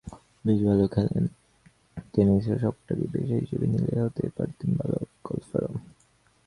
বেশ ভালো খেলেন টেনিসও, শখটাকে পেশা হিসেবে নিলে হতে পারতেন ভালো গলফারও।